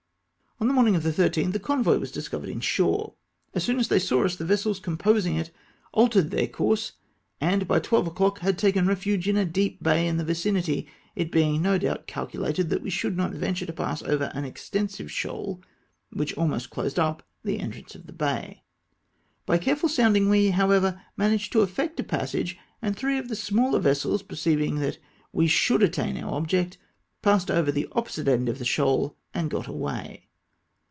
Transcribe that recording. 28*2 DESPATCH THE PRIZES. On the morning of the 1 3th a convoy was discovered in shore. As soon as they saw lis, the vessels com posing it altered their coiu^se, and by 12 o'clock had taken refuge in a deep bay in the vicuiity, it being, no doubt, calculated that we should not venture to pass over an extensive shoal, which almost closed up the entrance of the bay. By careful sounding we, however, managed to effect a passage, and three of the smaller vessels perceiving that we should attain our object, passed over the opposite end of the shoal and got away.